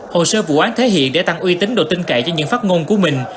hồ sơ vụ án thể hiện để tăng uy tính đồ tin cậy cho những phát ngôn của mình